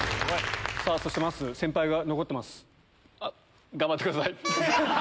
そしてまっすー先輩が残ってます。